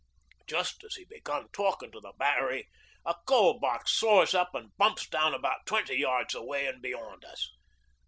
Just as he began talkin' to the Battery a Coal Box soars up an' bumps down about twenty yards away and beyond us.